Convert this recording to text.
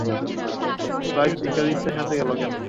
Sprite ইকারিসের সাথে গেল কেন?